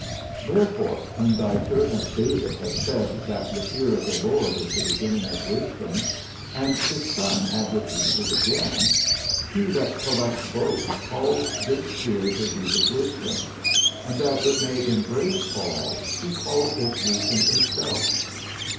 Therefore when thy servant David had said that the fear of the Lord is the beginning of wisdom, and his son had repeated it again, he that collects both calls this fear the root of wisdom; and, that it may embrace all, he calls it wisdom itself.